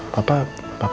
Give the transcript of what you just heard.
saya ada belum enggak